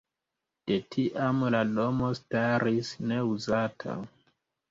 De tiam la domo staris neuzata.